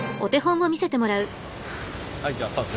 はいじゃあ早速。